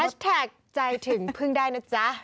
แฮชแท็กใจถึงพึ่งได้นะจ๊ะ